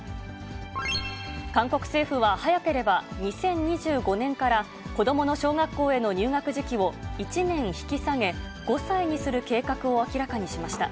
韓国政府は、早ければ２０２５年から、子どもの小学校への入学時期を、１年引き下げ、５歳にする計画を明らかにしました。